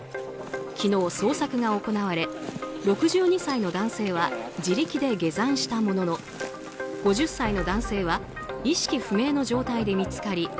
昨日捜索が行われ６２歳の男性は自力で下山したものの５０歳の男性は意識不明の状態で見つかり